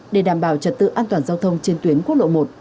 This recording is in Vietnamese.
để đảm bảo trật tự an toàn giao thông trên tuyến quốc lộ một